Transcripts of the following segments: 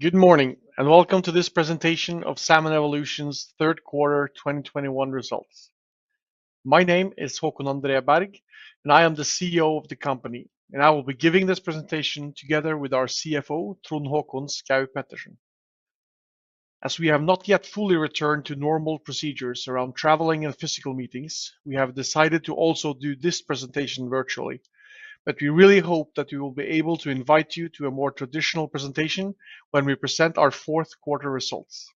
Good morning, and welcome to this presentation of Salmon Evolution's Q3 2021 results. My name is Håkon André Berg, and I am the CEO of the company, and I will be giving this presentation together with our CFO, Trond Håkon Schaug-Pettersen. As we have not yet fully returned to normal procedures around traveling and physical meetings, we have decided to also do this presentation virtually. We really hope that we will be able to invite you to a more traditional presentation when we present our Q4 results.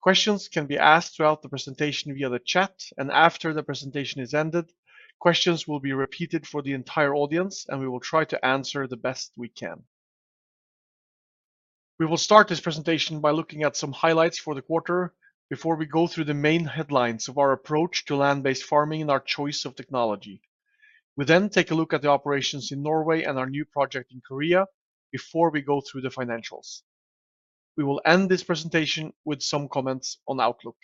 Questions can be asked throughout the presentation via the chat, and after the presentation is ended, questions will be repeated for the entire audience, and we will try to answer the best we can. We will start this presentation by looking at some highlights for the quarter before we go through the main headlines of our approach to land-based farming and our choice of technology. We take a look at the operations in Norway and our new project in Korea before we go through the financials. We will end this presentation with some comments on outlook.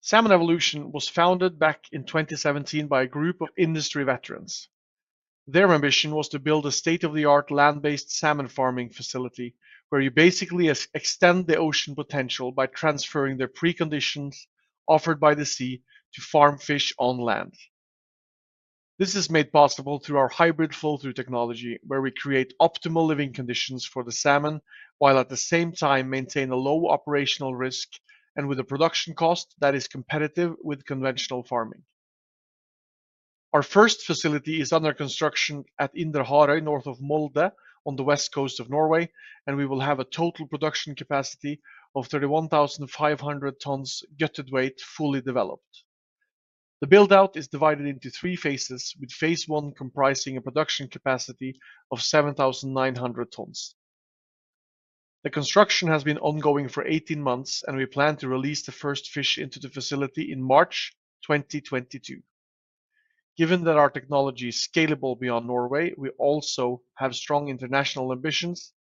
Salmon Evolution was founded back in 2017 by a group of industry veterans. Their ambition was to build a state-of-the-art land-based salmon farming facility where you basically extend the ocean potential by transferring the preconditions offered by the sea to farm fish on land. This is made possible through our Hybrid Flow-Through technology, where we create optimal living conditions for the salmon, while at the same time maintain a low operational risk and with a production cost that is competitive with conventional farming. Our first facility is under construction at Indre Harøy, north of Molde on the west coast of Norway, and we will have a total production capacity of 31,500 tons gutted weight fully developed. The build-out is divided into three phases, with phase one comprising a production capacity of 7,900 tons. The construction has been ongoing for 18 months, and we plan to release the first fish into the facility in March 2022. Given that our technology is scalable beyond Norway, we also have strong international ambitions,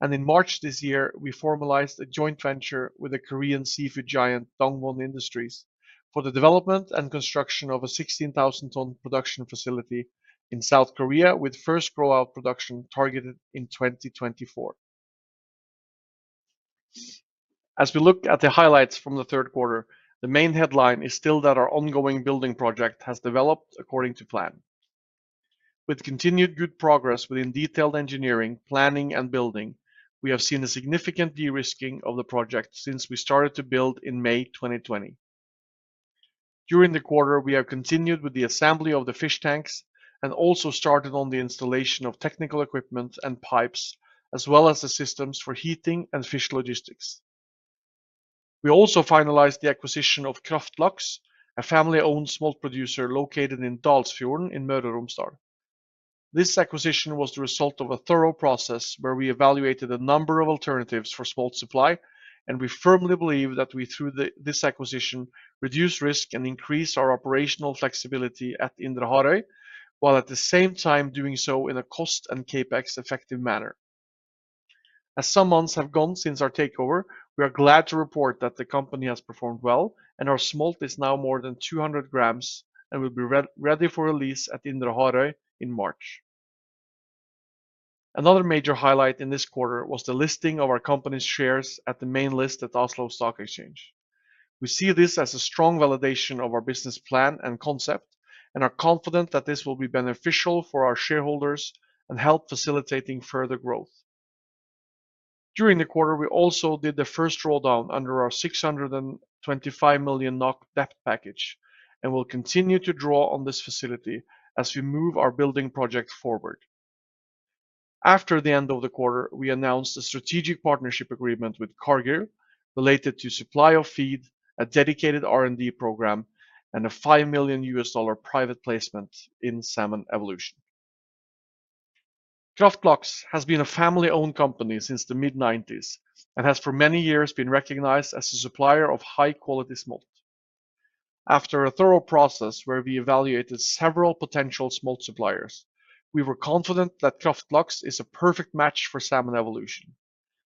and in March this year, we formalized a joint venture with the Korean seafood giant Dongwon Industries for the development and construction of a 16,000-ton production facility in South Korea with first grow-out production targeted in 2024. As we look at the highlights from the Q3, the main headline is still that our ongoing building project has developed according to plan. With continued good progress within detailed engineering, planning, and building, we have seen a significant de-risking of the project since we started to build in May 2020. During the quarter, we have continued with the assembly of the fish tanks and also started on the installation of technical equipment and pipes, as well as the systems for heating and fish logistics. We also finalized the acquisition of Kraft Laks, a family-owned smolt producer located in Dalsfjorden in Møre og Romsdal. This acquisition was the result of a thorough process where we evaluated a number of alternatives for smolt supply, and we firmly believe that we, through this acquisition, reduce risk and increase our operational flexibility at Indre Harøy, while at the same time doing so in a cost and CapEx-effective manner. As some months have gone since our takeover, we are glad to report that the company has performed well and our smolt is now more than 200 grams and will be ready for release at Indre Harøy in March. Another major highlight in this quarter was the listing of our company's shares at the main list at Oslo Stock Exchange. We see this as a strong validation of our business plan and concept and are confident that this will be beneficial for our shareholders and help facilitating further growth. During the quarter, we also did the first drawdown under our 625 million NOK debt package and will continue to draw on this facility as we move our building project forward. After the end of the quarter, we announced a strategic partnership agreement with Cargill related to supply of feed, a dedicated R&D program, and a $5 million private placement in Salmon Evolution. Kraft Laks has been a family-owned company since the mid-1990s and has for many years been recognized as a supplier of high-quality smolt. After a thorough process where we evaluated several potential smolt suppliers, we were confident that Kraft Laks is a perfect match for Salmon Evolution.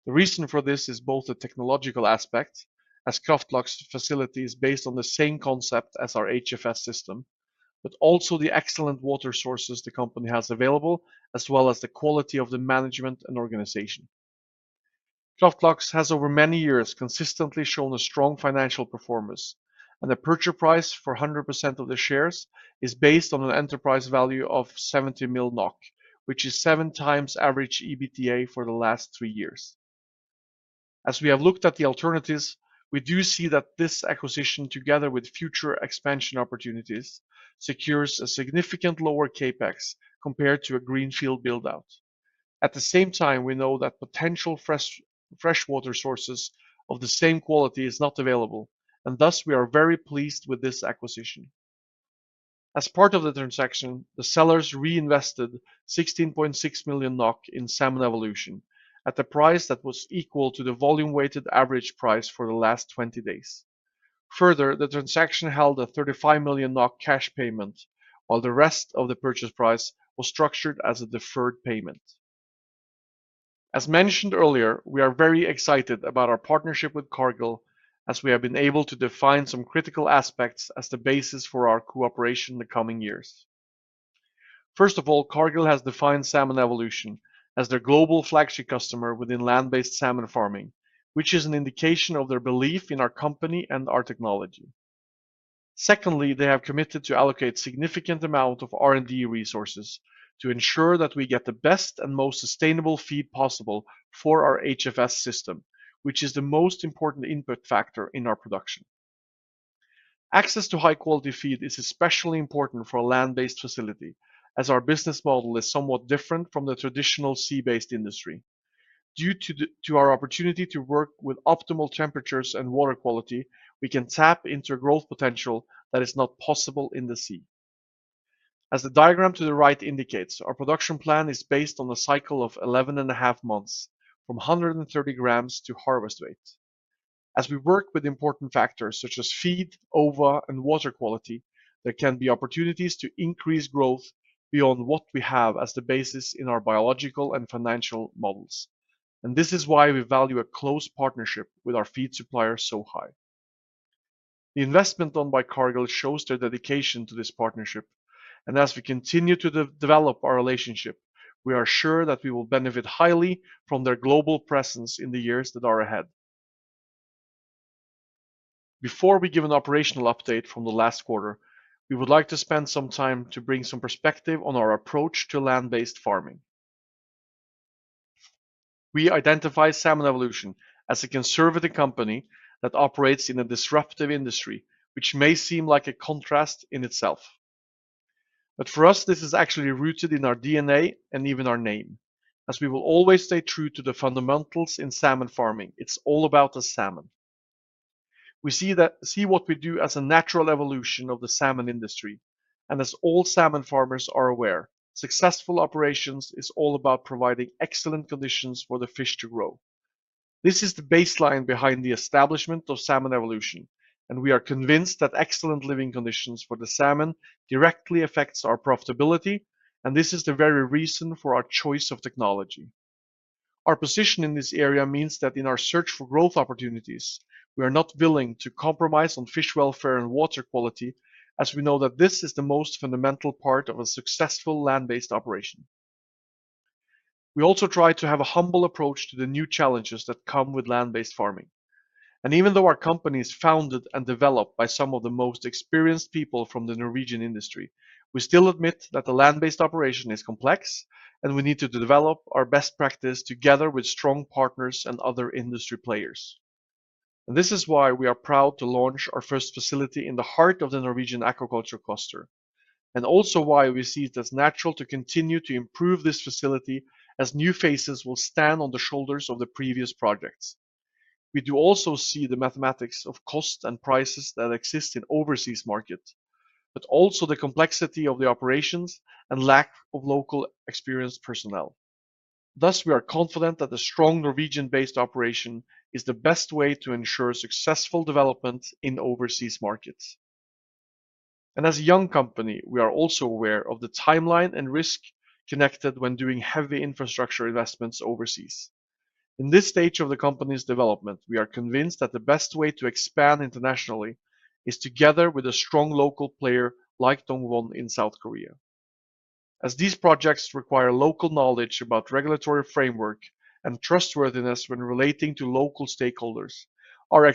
The reason for this is both the technological aspect, as Kraft Laks facility is based on the same concept as our HFS system, but also the excellent water sources the company has available, as well as the quality of the management and organization. Kraft Laks has over many years consistently shown a strong financial performance, and the purchase price for 100% of the shares is based on an enterprise value of 70 million NOK, which is 7 times average EBITDA for the last three years. As we have looked at the alternatives, we do see that this acquisition, together with future expansion opportunities, secures a significant lower CapEx compared to a greenfield build-out. At the same time, we know that potential freshwater sources of the same quality is not available, and thus we are very pleased with this acquisition. As part of the transaction, the sellers reinvested 16.6 million NOK in Salmon Evolution at a price that was equal to the volume-weighted average price for the last 20 days. Further, the transaction held a 35 million NOK cash payment, while the rest of the purchase price was structured as a deferred payment. As mentioned earlier, we are very excited about our partnership with Cargill, as we have been able to define some critical aspects as the basis for our cooperation in the coming years. First of all, Cargill has defined Salmon Evolution as their global flagship customer within land-based salmon farming, which is an indication of their belief in our company and our technology. Secondly, they have committed to allocate significant amount of R&D resources to ensure that we get the best and most sustainable feed possible for our HFS system, which is the most important input factor in our production. Access to high-quality feed is especially important for a land-based facility, as our business model is somewhat different from the traditional sea-based industry. Due to our opportunity to work with optimal temperatures and water quality, we can tap into growth potential that is not possible in the sea. As the diagram to the right indicates, our production plan is based on a cycle of eleven and a half months from 130 grams to harvest weight. As we work with important factors such as feed, ova, and water quality, there can be opportunities to increase growth beyond what we have as the basis in our biological and financial models. This is why we value a close partnership with our feed supplier so high. The investment done by Cargill shows their dedication to this partnership, and as we continue to de-develop our relationship, we are sure that we will benefit highly from their global presence in the years that are ahead. Before we give an operational update from the last quarter, we would like to spend some time to bring some perspective on our approach to land-based farming. We identify Salmon Evolution as a conservative company that operates in a disruptive industry, which may seem like a contrast in itself. For us, this is actually rooted in our DNA and even our name, as we will always stay true to the fundamentals in salmon farming. It's all about the salmon. We see what we do as a natural evolution of the salmon industry, and as all salmon farmers are aware, successful operations is all about providing excellent conditions for the fish to grow. This is the baseline behind the establishment of Salmon Evolution, and we are convinced that excellent living conditions for the salmon directly affects our profitability, and this is the very reason for our choice of technology. Our position in this area means that in our search for growth opportunities, we are not willing to compromise on fish welfare and water quality, as we know that this is the most fundamental part of a successful land-based operation. We also try to have a humble approach to the new challenges that come with land-based farming. Even though our company is founded and developed by some of the most experienced people from the Norwegian industry, we still admit that the land-based operation is complex, and we need to develop our best practice together with strong partners and other industry players. This is why we are proud to launch our first facility in the heart of the Norwegian aquaculture cluster, and also why we see it as natural to continue to improve this facility as new phases will stand on the shoulders of the previous projects. We do also see the mathematics of cost and prices that exist in overseas markets, but also the complexity of the operations and lack of local experienced personnel. Thus, we are confident that the strong Norwegian-based operation is the best way to ensure successful development in overseas markets. As a young company, we are also aware of the timeline and risk connected when doing heavy infrastructure investments overseas. In this stage of the company's development, we are convinced that the best way to expand internationally is together with a strong local player like Dongwon in South Korea. As these projects require local knowledge about regulatory framework and trustworthiness when relating to local stakeholders, our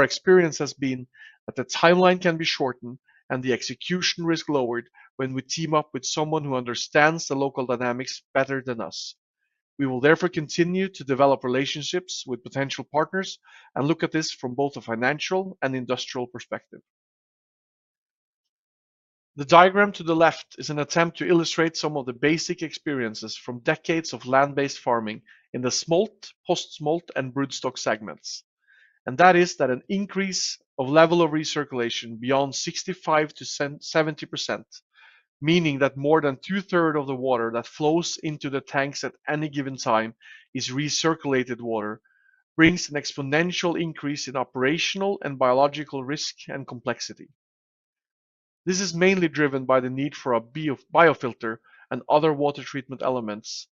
experience has been that the timeline can be shortened and the execution risk lowered when we team up with someone who understands the local dynamics better than us. We will therefore continue to develop relationships with potential partners and look at this from both a financial and industrial perspective. The diagram to the left is an attempt to illustrate some of the basic experiences from decades of land-based farming in the smolt, post-smolt, and broodstock segments. That an increase in the level of recirculation beyond 65%-70%, meaning that more than two-thirds of the water that flows into the tanks at any given time is recirculated water, brings an exponential increase in operational and biological risk and complexity. This is mainly driven by the need for a biofilter and other water treatment elements,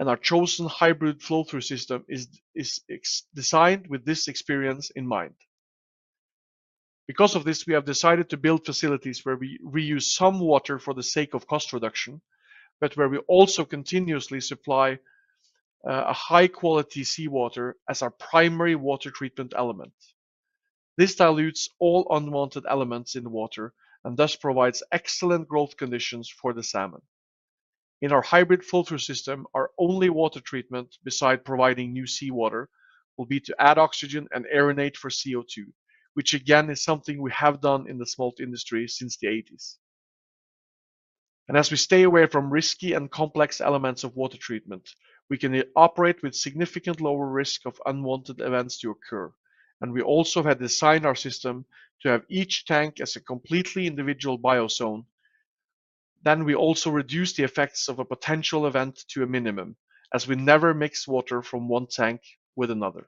and our chosen Hybrid Flow-Through system is designed with this experience in mind. Because of this, we have decided to build facilities where we reuse some water for the sake of cost reduction, but where we also continuously supply a high-quality seawater as our primary water treatment element. This dilutes all unwanted elements in water and thus provides excellent growth conditions for the salmon. In our Hybrid Flow-Through system, our only water treatment beside providing new seawater will be to add oxygen and aerate for CO₂, which again is something we have done in the smolt industry since the eighties. As we stay away from risky and complex elements of water treatment, we can operate with significant lower risk of unwanted events to occur. We also have designed our system to have each tank as a completely individual biozone. We also reduce the effects of a potential event to a minimum, as we never mix water from one tank with another.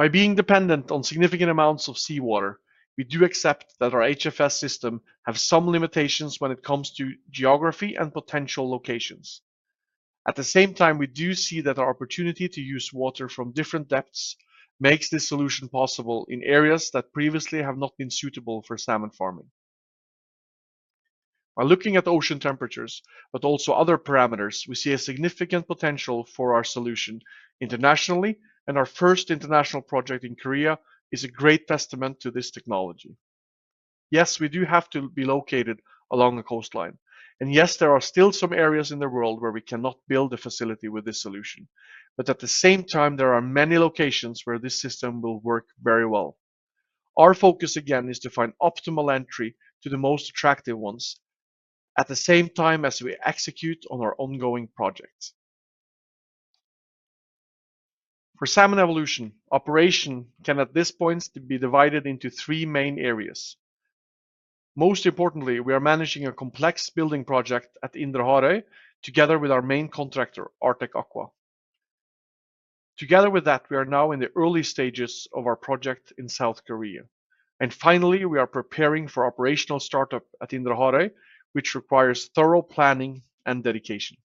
By being dependent on significant amounts of seawater, we do accept that our HFS system have some limitations when it comes to geography and potential locations. At the same time, we do see that our opportunity to use water from different depths makes this solution possible in areas that previously have not been suitable for salmon farming. By looking at ocean temperatures, but also other parameters, we see a significant potential for our solution internationally, and our first international project in Korea is a great testament to this technology. Yes, we do have to be located along the coastline, and yes, there are still some areas in the world where we cannot build a facility with this solution. At the same time, there are many locations where this system will work very well. Our focus, again, is to find optimal entry to the most attractive ones at the same time as we execute on our ongoing projects. For Salmon Evolution, operation can at this point be divided into three main areas. Most importantly, we are managing a complex building project at Indre Harøy together with our main contractor, Artec Aqua. Together with that, we are now in the early stages of our project in South Korea. Finally, we are preparing for operational startup at Indre Harøy, which requires thorough planning and dedication.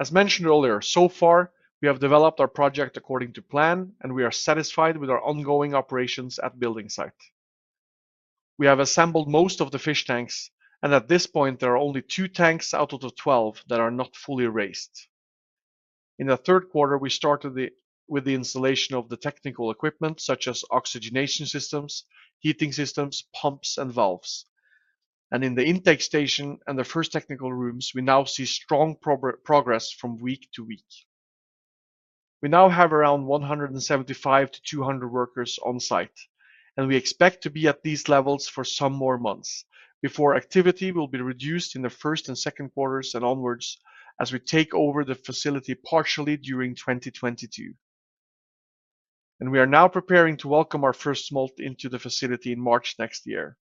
As mentioned earlier, so far, we have developed our project according to plan, and we are satisfied with our ongoing operations at building site. We have assembled most of the fish tanks, and at this point, there are only two tanks out of the 12 that are not fully raised. In the Q3, we started with the installation of the technical equipment such as oxygenation systems, heating systems, pumps, and valves. In the intake station and the first technical rooms, we now see strong progress from week to week. We now have around 175-200 workers on site, and we expect to be at these levels for some more months before activity will be reduced in the first and Q2s and onwards as we take over the facility partially during 2022. We are now preparing to welcome our first smolt into the facility in March next year.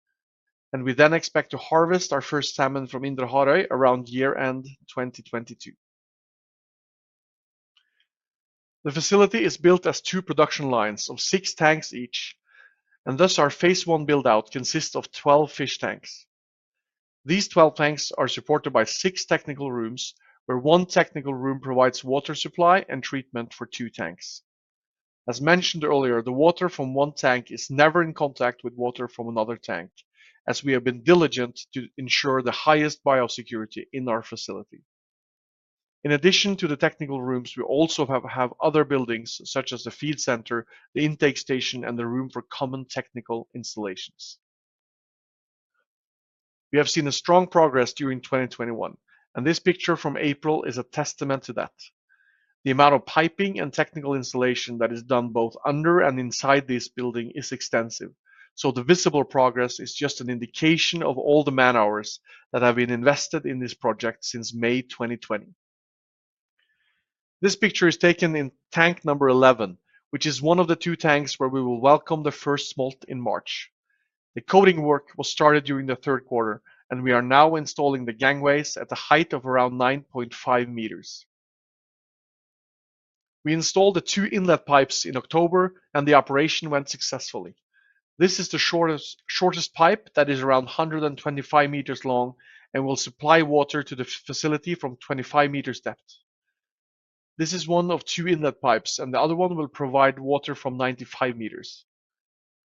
We then expect to harvest our first salmon from Indre Harøy around year-end 2022. The facility is built as two production lines of six tanks each, and thus our phase one build-out consists of 12 fish tanks. These 12 tanks are supported by six technical rooms, where one technical room provides water supply and treatment for two tanks. As mentioned earlier, the water from one tank is never in contact with water from another tank, as we have been diligent to ensure the highest biosecurity in our facility. In addition to the technical rooms, we also have other buildings, such as the feed center, the intake station, and the room for common technical installations. We have seen a strong progress during 2021, and this picture from April is a testament to that. The amount of piping and technical installation that is done both under and inside this building is extensive, so the visible progress is just an indication of all the man-hours that have been invested in this project since May 2020. This picture is taken in tank number 11, which is one of the two tanks where we will welcome the first smolt in March. The coating work was started during the Q3, and we are now installing the gangways at a height of around 9.5 meters. We installed the two inlet pipes in October, and the operation went successfully. This is the shortest pipe that is around 125 meters long and will supply water to the facility from 25 meters depth. This is one of two inlet pipes, and the other one will provide water from 95 meters.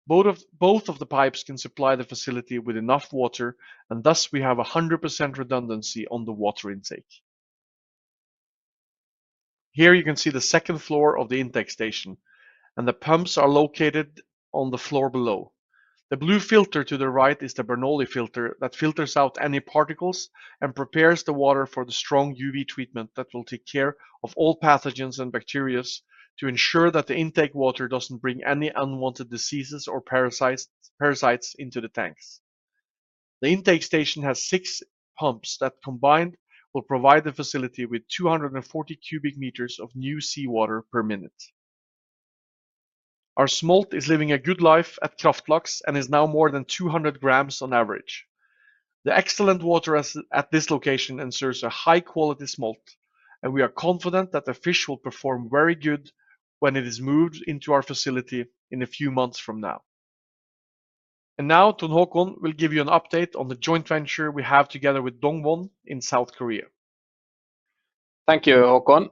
Both of the pipes can supply the facility with enough water, and thus we have 100% redundancy on the water intake. Here you can see the second floor of the intake station, and the pumps are located on the floor below. The blue filter to the right is the Bernoulli filter that filters out any particles and prepares the water for the strong UV treatment that will take care of all pathogens and bacterias to ensure that the intake water doesn't bring any unwanted diseases or parasites into the tanks. The intake station has six pumps that combined will provide the facility with 240 cubic meters of new seawater per minute. Our smolt is living a good life at Kraft Laks and is now more than 200 grams on average. The excellent water at this location ensures a high-quality smolt, and we are confident that the fish will perform very good when it is moved into our facility in a few months from now. Now, Trond Håkon Schaug-Pettersen will give you an update on the joint venture we have together with Dongwon in South Korea. Thank you, Håkon.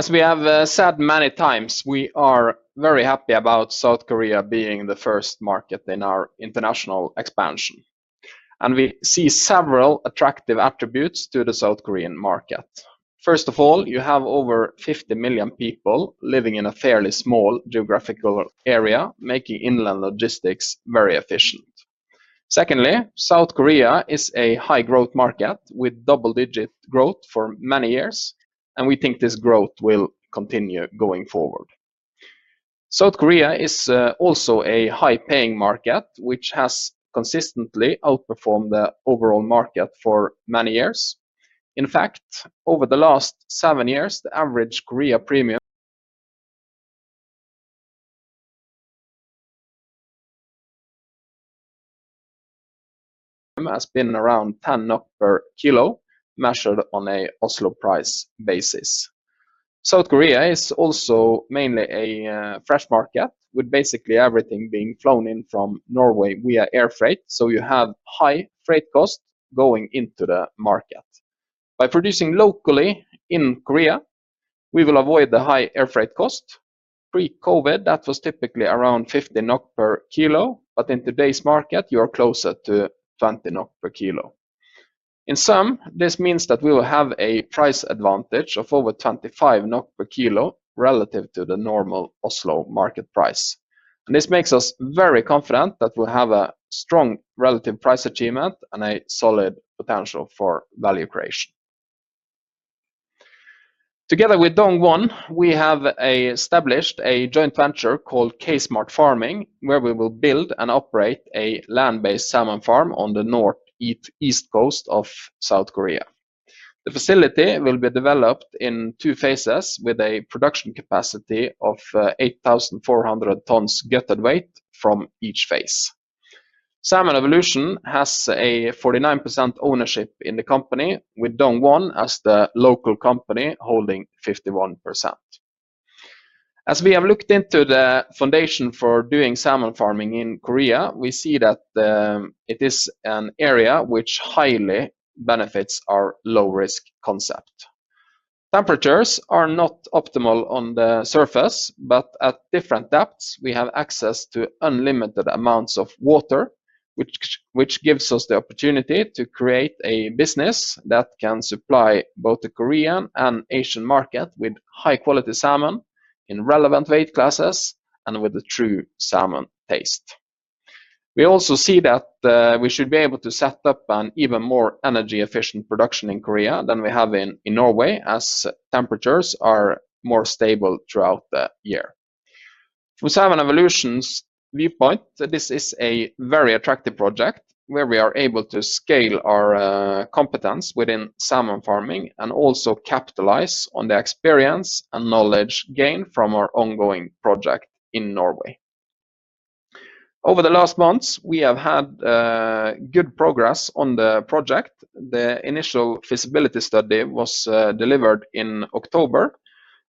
As we have said many times, we are very happy about South Korea being the first market in our international expansion. We see several attractive attributes to the South Korean market. First of all, you have over 50 million people living in a fairly small geographical area, making inland logistics very efficient. Secondly, South Korea is a high-growth market with double-digit growth for many years, and we think this growth will continue going forward. South Korea is also a high-paying market, which has consistently outperformed the overall market for many years. In fact, over the last 7 years, the average Korea premium has been around 10 NOK per kilo, measured on an Oslo price basis. South Korea is also mainly a fresh market, with basically everything being flown in from Norway via air freight, so you have high freight costs going into the market. By producing locally in Korea, we will avoid the high air freight cost. Pre-COVID, that was typically around 15 NOK per kilo, but in today's market, you are closer to 20 NOK per kilo. In sum, this means that we will have a price advantage of over 25 NOK per kilo relative to the normal Oslo market price. This makes us very confident that we'll have a strong relative price achievement and a solid potential for value creation. Together with Dongwon, we have established a joint venture called K Smart Farming, where we will build and operate a land-based salmon farm on the northeast coast of South Korea. The facility will be developed in two phases with a production capacity of 8,400 tons gutted weight from each phase. Salmon Evolution has a 49% ownership in the company with Dongwon as the local company holding 51%. As we have looked into the foundation for doing salmon farming in Korea, we see that it is an area which highly benefits our low risk concept. Temperatures are not optimal on the surface, but at different depths, we have access to unlimited amounts of water, which gives us the opportunity to create a business that can supply both the Korean and Asian market with high-quality salmon in relevant weight classes and with a true salmon taste. We also see that we should be able to set up an even more energy efficient production in Korea than we have in Norway, as temperatures are more stable throughout the year. From Salmon Evolution's viewpoint, this is a very attractive project where we are able to scale our competence within salmon farming and also capitalize on the experience and knowledge gained from our ongoing project in Norway. Over the last months, we have had good progress on the project. The initial feasibility study was delivered in October.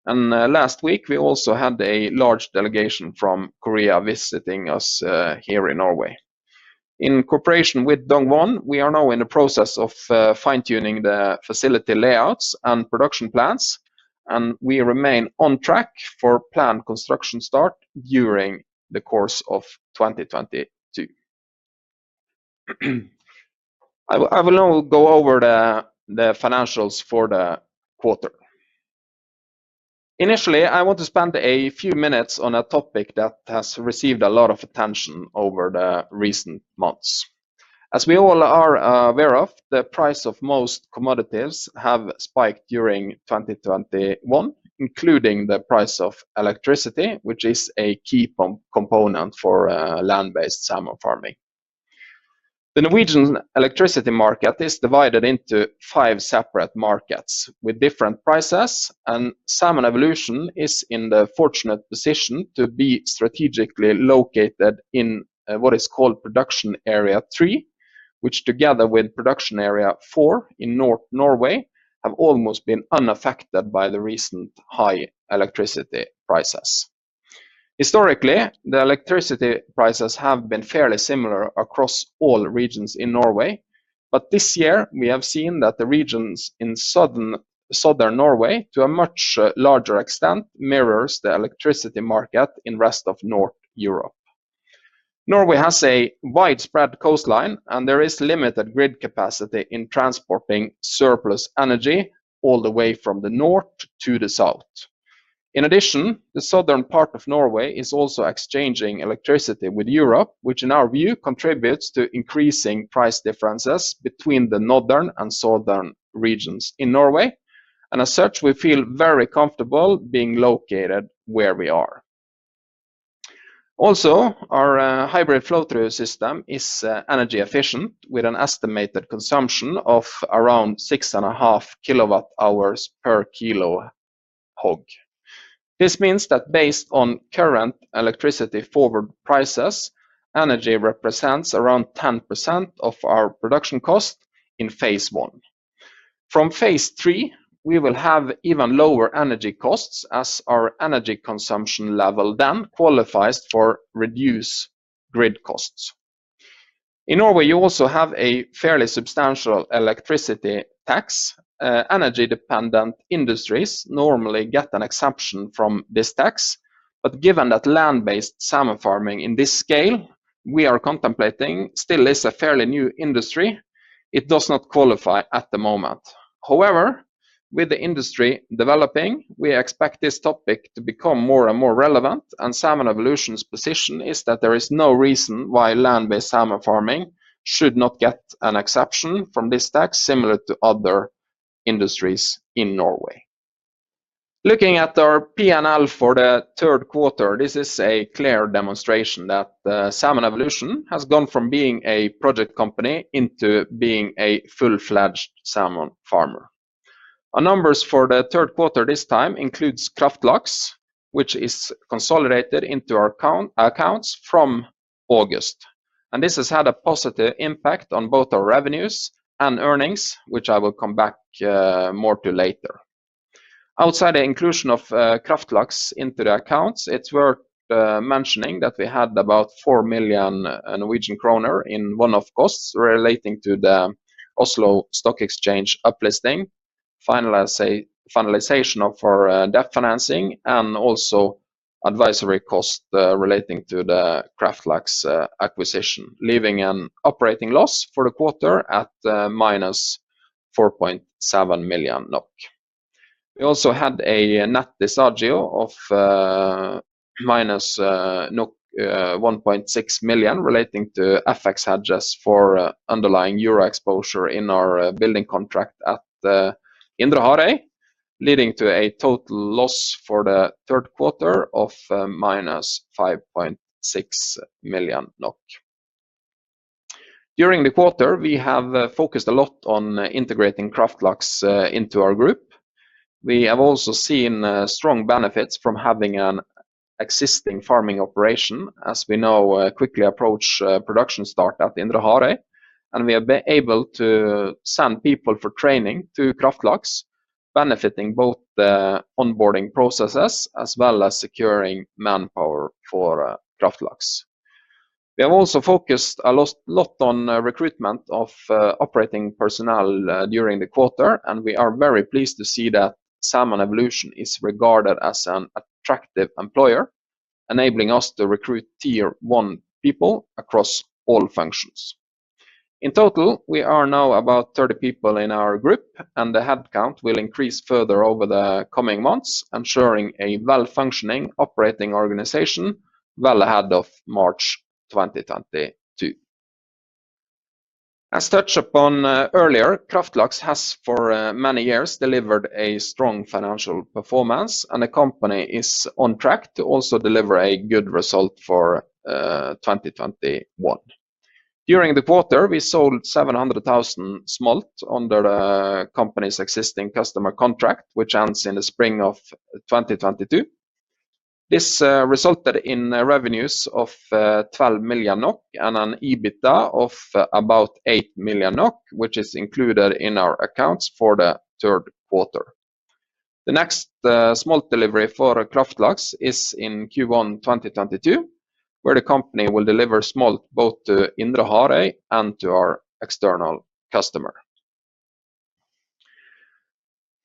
Last week, we also had a large delegation from Korea visiting us here in Norway. In cooperation with Dongwon, we are now in the process of fine-tuning the facility layouts and production plans, and we remain on track for planned construction start during the course of 2022. I will now go over the financials for the quarter. Initially, I want to spend a few minutes on a topic that has received a lot of attention over the recent months. As we all are aware of, the price of most commodities have spiked during 2021, including the price of electricity, which is a key component for land-based salmon farming. The Norwegian electricity market is divided into 5 separate markets with different prices, and Salmon Evolution is in the fortunate position to be strategically located in what is called Production Area three, which together with Production Area 4 in Norway, have almost been unaffected by the recent high electricity prices. Historically, the electricity prices have been fairly similar across all regions in Norway, but this year, we have seen that the regions in Southern Norway, to a much larger extent, mirrors the electricity market in rest of North Europe. Norway has a widespread coastline, and there is limited grid capacity in transporting surplus energy all the way from the north to the south. In addition, the southern part of Norway is also exchanging electricity with Europe, which in our view contributes to increasing price differences between the northern and southern regions in Norway. As such, we feel very comfortable being located where we are. Also, our Hybrid Flow-Through system is energy efficient with an estimated consumption of around 6.5 kWh per kg HOG. This means that based on current electricity forward prices, energy represents around 10% of our production cost in phase one. From phase three, we will have even lower energy costs as our energy consumption level then qualifies for reduced grid costs. In Norway, you also have a fairly substantial electricity tax. Energy-dependent industries normally get an exemption from this tax. Given that land-based salmon farming in this scale we are contemplating still is a fairly new industry, it does not qualify at the moment. However, with the industry developing, we expect this topic to become more and more relevant, and Salmon Evolution's position is that there is no reason why land-based salmon farming should not get an exception from this tax similar to other industries in Norway. Looking at our P&L for the Q3, this is a clear demonstration that Salmon Evolution has gone from being a project company into being a full-fledged salmon farmer. Our numbers for the Q3 this time includes Kraft Laks, which is consolidated into our accounts from August. This has had a positive impact on both our revenues and earnings, which I will come back more to later. Outside the inclusion of Kraft Laks into the accounts, it's worth mentioning that we had about 4 million Norwegian kroner in one-off costs relating to the Oslo Stock Exchange uplisting, finalization of our debt financing, and also advisory costs relating to the Kraft Laks acquisition, leaving an operating loss for the quarter at -4.7 million NOK. We also had a net disagio of -1.6 million relating to FX hedges for underlying Euro exposure in our building contract at Indre Harøy, leading to a total loss for the Q3 of -5.6 million NOK. During the quarter, we have focused a lot on integrating Kraft Laks into our group. We have also seen strong benefits from having an existing farming operation, as we now quickly approach production start at Indre Harøy. We have been able to send people for training to Kraft Laks, benefiting both the onboarding processes as well as securing manpower for Kraft Laks. We have also focused a lot on recruitment of operating personnel during the quarter, and we are very pleased to see that Salmon Evolution is regarded as an attractive employer, enabling us to recruit tier one people across all functions. In total, we are now about 30 people in our group, and the headcount will increase further over the coming months, ensuring a well-functioning operating organization well ahead of March 2022. As touched upon earlier, Kraft Laks has for many years delivered a strong financial performance, and the company is on track to also deliver a good result for 2021. During the quarter, we sold 700,000 smolt under the company's existing customer contract, which ends in the spring of 2022. This resulted in revenues of 12 million NOK and an EBITDA of about 8 million NOK, which is included in our accounts for the Q3. The next smolt delivery for Kraft Laks is in Q1 2022, where the company will deliver smolt both to Indre Harøy and to our external customer.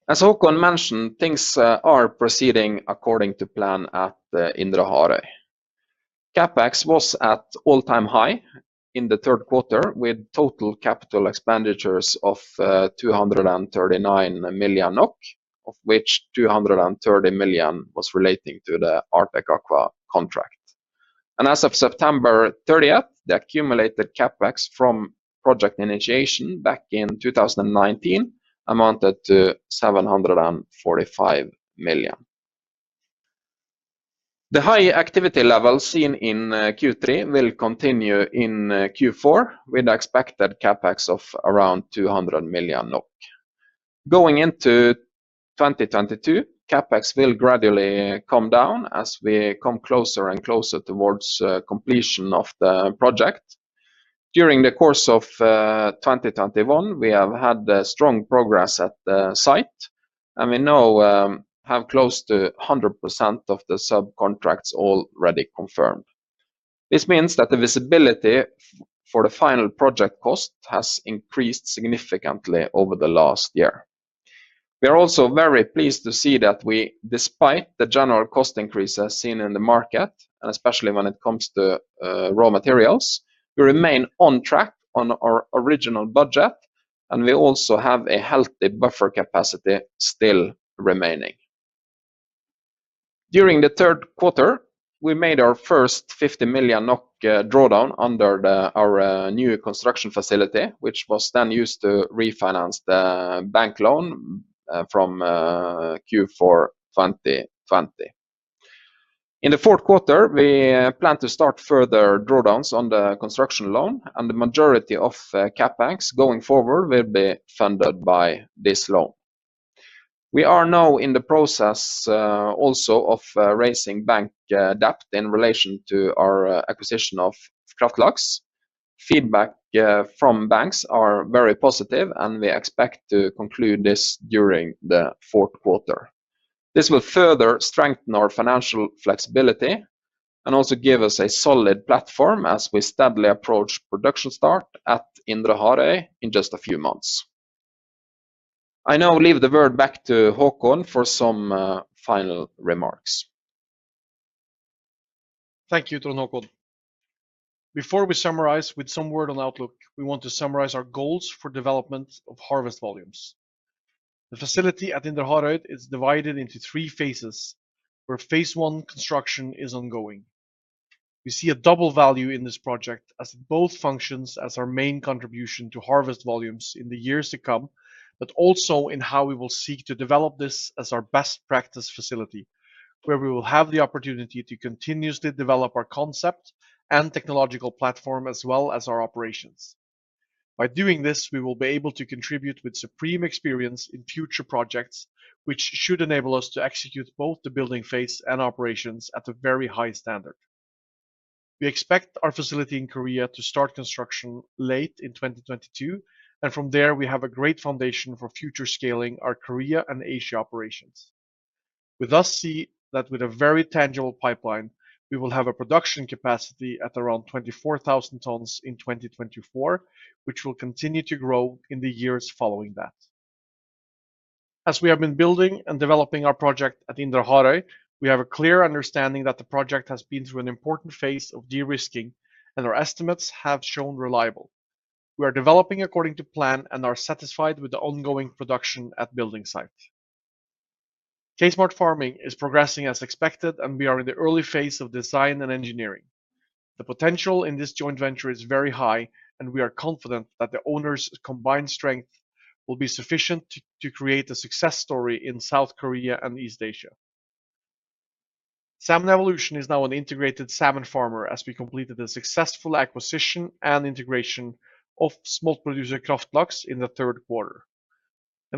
As Håkon mentioned, things are proceeding according to plan at Indre Harøy. CapEx was at all-time high in the Q3, with total capital expenditures of 239 million NOK, of which 230 million was relating to the Artec Aqua contract. As of September 30, the accumulated CapEx from project initiation back in 2019 amounted to 745 million. The high activity levels seen in Q3 will continue in Q4, with expected CapEx of around 200 million NOK. Going into 2022, CapEx will gradually come down as we come closer and closer towards completion of the project. During the course of 2021, we have had strong progress at the site, and we now have close to 100% of the subcontracts already confirmed. This means that the visibility for the final project cost has increased significantly over the last year. We are also very pleased to see that we, despite the general cost increases seen in the market, and especially when it comes to raw materials, we remain on track on our original budget, and we also have a healthy buffer capacity still remaining. During the Q3, we made our first 50 million NOK drawdown under our new construction facility, which was then used to refinance the bank loan from Q4 2020. In the Q4, we plan to start further drawdowns on the construction loan, and the majority of CapEx going forward will be funded by this loan. We are now in the process also of raising bank debt in relation to our acquisition of Kraft Laks. Feedback from banks are very positive, and we expect to conclude this during the Q4. This will further strengthen our financial flexibility and also give us a solid platform as we steadily approach production start at Indre Harøy in just a few months. I now leave the word back to Håkon for some final remarks. Thank you, Trond Håkon. Before we summarize with some word on outlook, we want to summarize our goals for development of harvest volumes. The facility at Indre Harøy is divided into three phases, where phase one construction is ongoing. We see a double value in this project as it both functions as our main contribution to harvest volumes in the years to come, but also in how we will seek to develop this as our best practice facility, where we will have the opportunity to continuously develop our concept and technological platform as well as our operations. By doing this, we will be able to contribute with supreme experience in future projects, which should enable us to execute both the building phase and operations at a very high standard. We expect our facility in Korea to start construction late in 2022, and from there we have a great foundation for future scaling our Korea and Asia operations. We thus see that with a very tangible pipeline, we will have a production capacity at around 24,000 tons in 2024, which will continue to grow in the years following that. As we have been building and developing our project at Indre Harøy, we have a clear understanding that the project has been through an important phase of de-risking, and our estimates have shown reliable. We are developing according to plan and are satisfied with the ongoing construction at the building site. K Smart Farming is progressing as expected, and we are in the early phase of design and engineering. The potential in this joint venture is very high, and we are confident that the owners' combined strength will be sufficient to create a success story in South Korea and East Asia. Salmon Evolution is now an integrated salmon farmer as we completed a successful acquisition and integration of smolt producer Kraft Laks in the Q3. We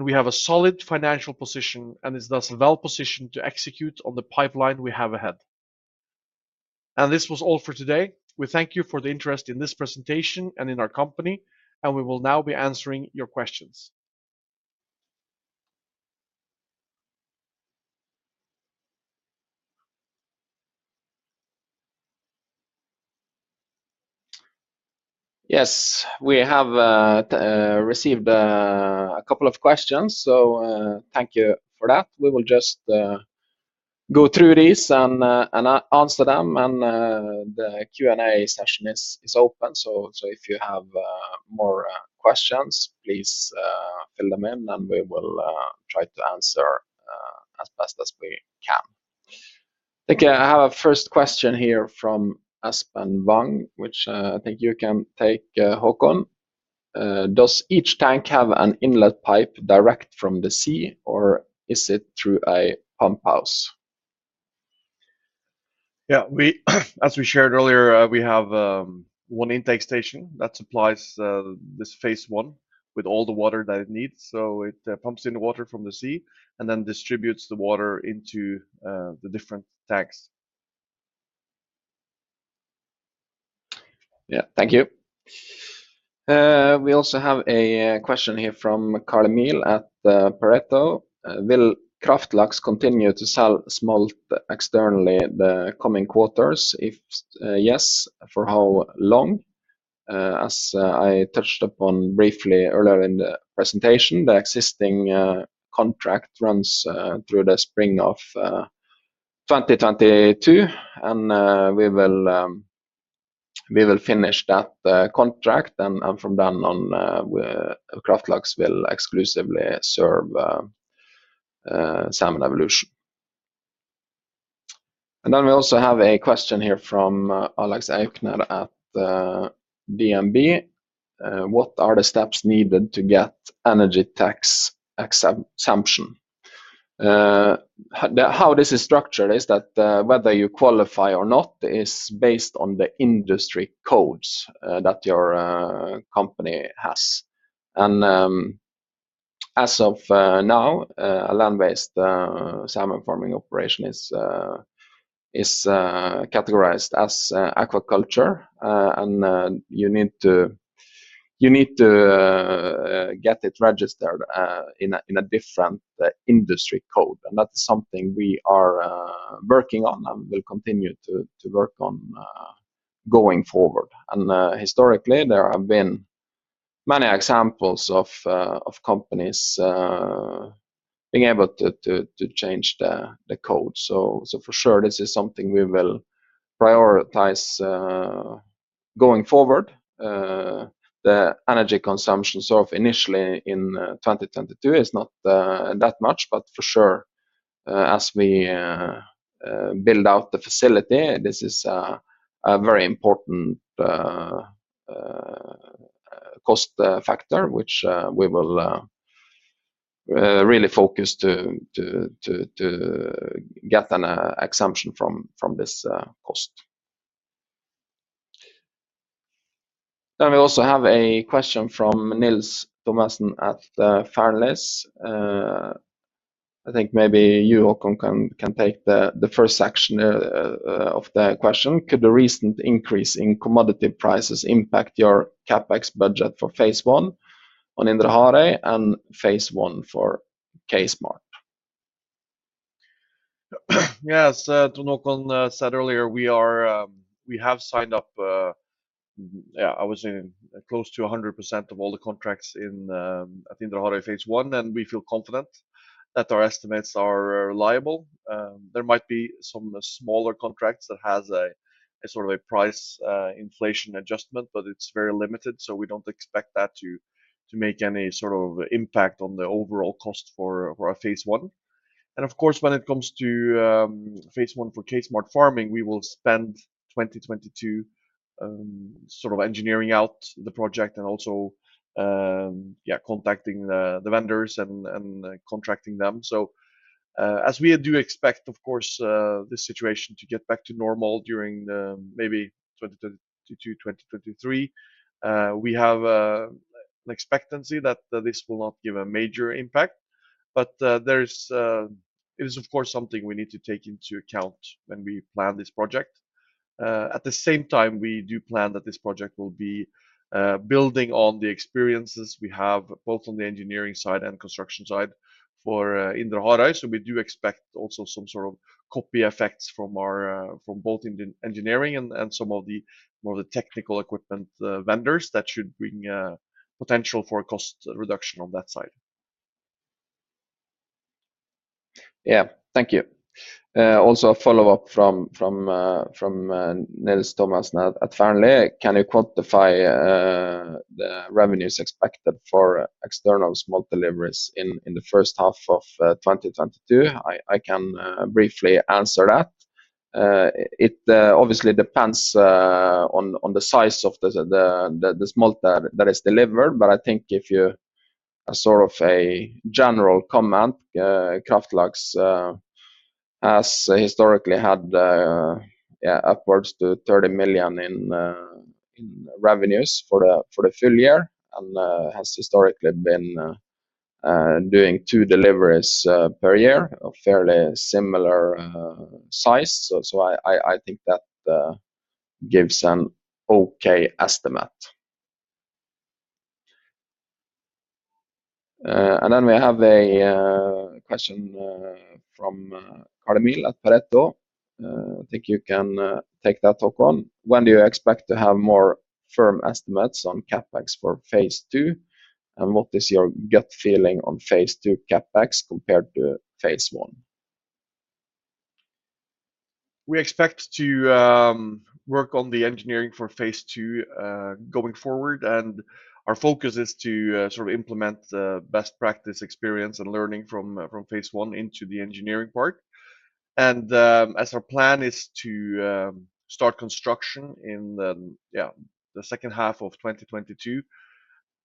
have a solid financial position and is thus well-positioned to execute on the pipeline we have ahead. This was all for today. We thank you for the interest in this presentation and in our company, and we will now be answering your questions. Yes. We have received a couple of questions, so thank you for that. We will just go through these and answer them. The Q&A session is open, so if you have more questions, please fill them in and we will try to answer as best as we can. Okay. I have a first question here from Asbjørn Wang, which I think you can take, Håkon. Does each tank have an inlet pipe direct from the sea, or is it through a pump house? Yeah. As we shared earlier, we have one intake station that supplies this phase one with all the water that it needs. It pumps in water from the sea and then distributes the water into the different tanks. Yeah. Thank you. We also have a question here from Carl Emil at Pareto. Will Kraft Laks continue to sell smolt externally the coming quarters? If yes, for how long? As I touched upon briefly earlier in the presentation, the existing contract runs through the spring of 2022, and we will finish that contract. From then on, Kraft Laks will exclusively serve Salmon Evolution. We also have a question here from Alexander Aukner at DNB. What are the steps needed to get energy tax exemption? How this is structured is that whether you qualify or not is based on the industry codes that your company has. As of now, a land-based salmon farming operation is categorized as aquaculture. You need to get it registered in a different industry code. That's something we are working on and will continue to work on going forward. Historically, there have been many examples of companies being able to change the code. For sure this is something we will prioritize going forward. The energy consumption sort of initially in 2022 is not that much, but for sure, as we build out the facility, this is a very important cost factor, which we will really focus to get an exemption from this cost. We also have a question from Nils Thommesen at Fearnley Securities. I think maybe you, Håkon, can take the first section of the question. Could the recent increase in commodity prices impact your CapEx budget for phase one on Indre Harøy and phase one for K Smart? Yeah. As Trond Håkon Schaug-Pettersen said earlier, we have signed up, yeah, I would say close to 100% of all the contracts in at Indre Harøy phase one. We feel confident that our estimates are reliable. There might be some smaller contracts that has a sort of a price inflation adjustment, but it's very limited, so we don't expect that to make any sort of impact on the overall cost for our phase one. Of course, when it comes to phase one for K Smart Farming, we will spend 2022 sort of engineering out the project and also contacting the vendors and contracting them. As we do expect, of course, the situation to get back to normal during maybe 2022, 2023, we have an expectancy that this will not give a major impact. There is, of course, something we need to take into account when we plan this project. At the same time, we do plan that this project will be building on the experiences we have both on the engineering side and construction side for Indre Harøy. We do expect also some sort of copy effects from both engineering and some of the more technical equipment vendors that should bring potential for cost reduction on that side. Yeah. Thank you. Also a follow-up from Nils Thommesen at Fearnley. Can you quantify the revenues expected for external smolt deliveries in the first half of 2022? I can briefly answer that. It obviously depends on the size of the smolt that is delivered. Sort of a general comment, Kraft Laks has historically had upwards to 30 million in revenues for the full year and has historically been doing two deliveries per year of fairly similar size. So I think that gives an okay estimate. And then we have a question from Carl-Emil Kjølås Johannessen at Pareto. I think you can take that, Håkon. When do you expect to have more firm estimates on CapEx for phase two? What is your gut feeling on phase two CapEx compared to phase one? We expect to work on the engineering for phase two going forward. Our focus is to sort of implement the best practice experience and learning from phase one into the engineering part. As our plan is to start construction in the second half of 2022,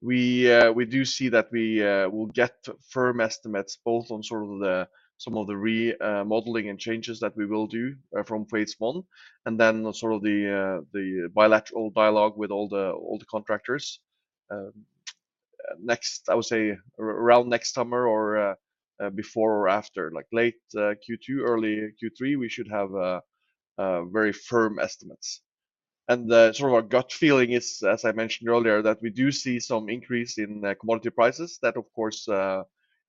we do see that we will get firm estimates both on sort of the some of the modeling and changes that we will do from phase one, and then sort of the bilateral dialogue with all the contractors. Next, I would say around next summer or before or after late Q2, early Q3, we should have very firm estimates. The sort of our gut feeling is, as I mentioned earlier, that we do see some increase in commodity prices. That of course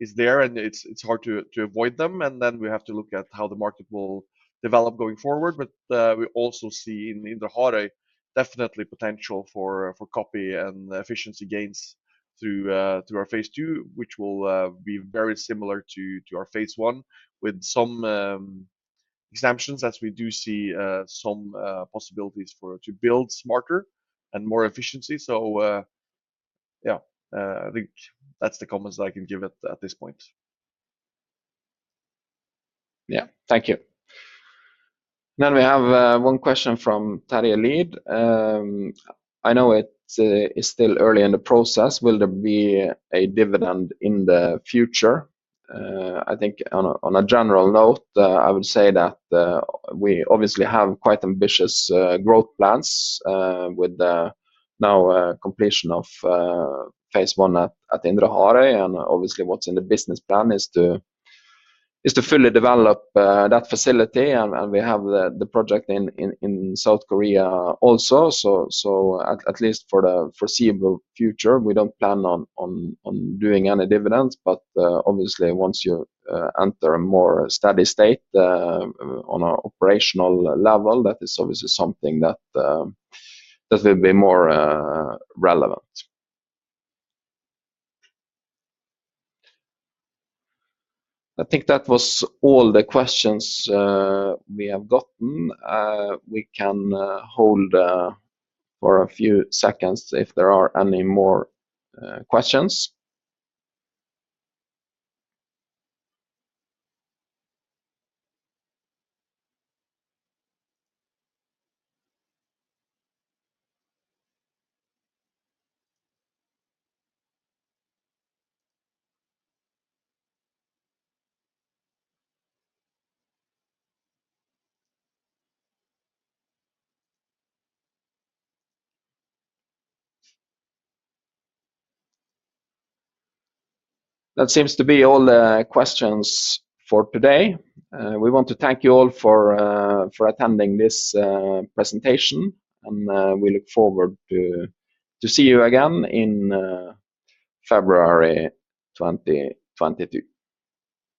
is there, and it's hard to avoid them. Then we have to look at how the market will develop going forward. We also see in Indre Harøy definitely potential for cost and efficiency gains through our phase two, which will be very similar to our phase one, with some exceptions as we do see some possibilities to build smarter and more efficiency. Yeah. I think that's the comments I can give at this point. Yeah. Thank you. We have one question from Terje Lien. I know it is still early in the process. Will there be a dividend in the future? I think on a general note, I would say that we obviously have quite ambitious growth plans with the now completion of phase one at Indre Harøy. Obviously, what's in the business plan is to fully develop that facility. We have the project in South Korea also. At least for the foreseeable future, we don't plan on doing any dividends. Obviously once you enter a more steady state on a operational level, that is obviously something that that will be more relevant. I think that was all the questions we have gotten. We can hold for a few seconds if there are any more questions. That seems to be all the questions for today. We want to thank you all for attending this presentation. We look forward to see you again in February 2022.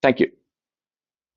Thank you.